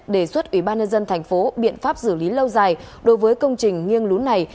đề xuất ubnd tp hcm biện pháp xử lý lâu dài đối với công trình nghiêng lún này